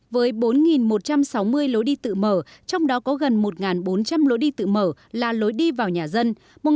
với bốn một trăm sáu mươi lối đi tự mở trong đó có gần một bốn trăm linh lối đi tự mở là lối đi vào nhà dân